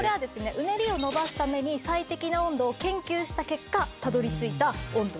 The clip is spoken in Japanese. うねりを伸ばすために最適な温度を研究した結果たどり着いた温度。